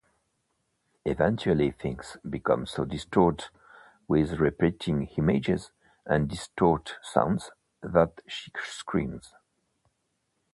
Eventually things become so distorted with repeating images and disorted sounds that she screams.